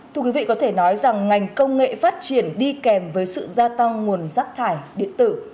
thưa quý vị có thể nói rằng ngành công nghệ phát triển đi kèm với sự gia tăng nguồn rác thải điện tử